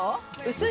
薄い？